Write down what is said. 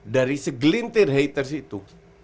dari segelintir haters itu